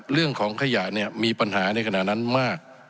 เรื่องของขยะเนี่ยมีปัญหาในขณะนั้นมาก